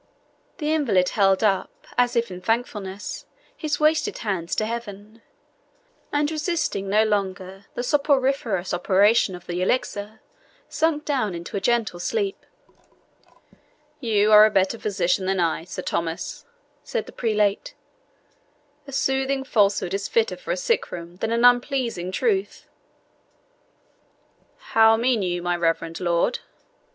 The invalid held up, as if in thankfulness, his wasted hands to Heaven, and resisting no longer the soporiferous operation of the elixir, sunk down in a gentle sleep. "You are a better physician than I, Sir Thomas," said the prelate "a soothing falsehood is fitter for a sick room than an unpleasing truth." "How mean you, my reverend lord?"